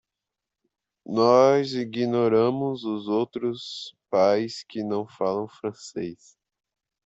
Nós ignoramos os outros pais que não falam francês.